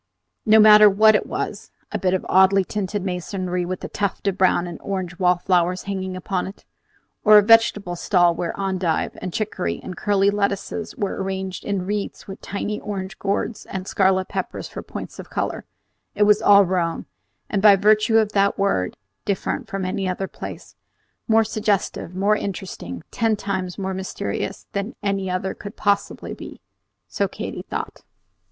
No matter what it was, a bit of oddly tinted masonry with a tuft of brown and orange wallflowers hanging upon it, or a vegetable stall where endive and chiccory and curly lettuces were arranged in wreaths with tiny orange gourds and scarlet peppers for points of color, it was all Rome, and, by virtue of that word, different from any other place, more suggestive, more interesting, ten times more mysterious than any other could possibly be, so Katy thought.